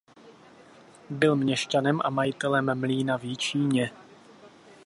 Byl měšťanem a majitelem mlýna v Jičíně.